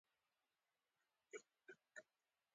نثرونه بېلا بېل ډولونه لري هنري یا ادبي نثر وايي.